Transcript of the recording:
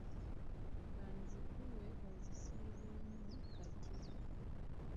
Ka nzikuwe ozisiibemu kati.